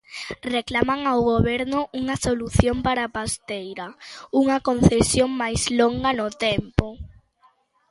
Reclaman ao Goberno unha solución para a pasteira, unha concesión máis longa no tempo.